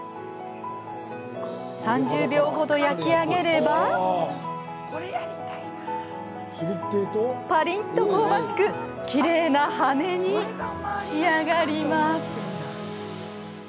３０秒ほど焼き上げればパリンッと香ばしくきれいな羽根に仕上がります。